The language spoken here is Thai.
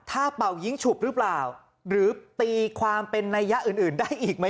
ถ้าเป่ายิ้งฉุบหรือเปล่าหรือตีความเป็นนัยยะอื่นได้อีกไหม